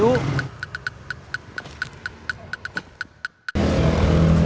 cukup banyak pak